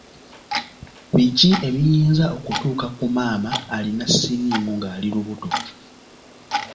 Biki ebiyinza okutuuka ku maama alina siriimu ng’ali lubuto?